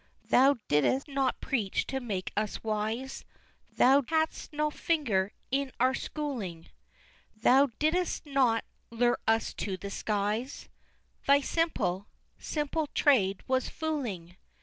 III. Thou didst not preach to make us wise Thou hadst no finger in our schooling Thou didst not "lure us to the skies" Thy simple, simple trade was Fooling!